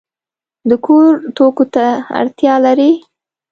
د کور توکو ته اړتیا لرئ؟